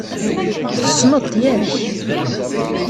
Tessneḍ-t, yak?